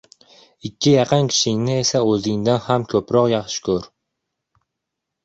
ikki yaqin kishingni esa oʻzingdan ham koʻproq yaxshi koʻr.